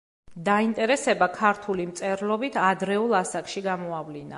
დაინტერესება ქართული მწერლობით ადრეულ ასაკში გამოავლინა.